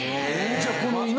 じゃあこの。